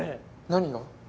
何が？